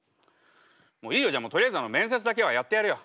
もういいよじゃあとりあえず面接だけはやってやるよ。